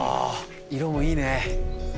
色もいいね。